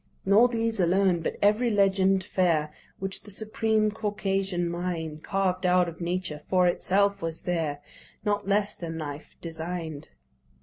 Nor these alone: but every legend fair Which the supreme Caucasian mind Carved out of Nature for itself was there' Not less than life design'd.